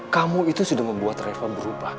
kamu itu sudah membuat reva berubah